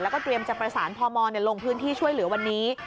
แล้วก็เตรียมจะประสานพมลงพื้นที่ช่วยเหลือวันนี้